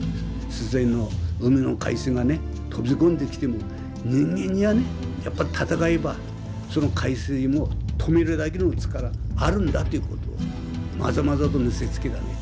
自然の海の海水がね飛び込んできても人間にはねやっぱ闘えばその海水も止めるだけの力あるんだということをまざまざと見せつけたね